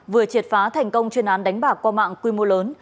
vừa triệt phá thành công chuyên án đánh bạc qua mạng quy mô lớn